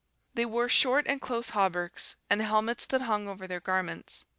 They wore short and close hauberks, and helmets that hung over their garments.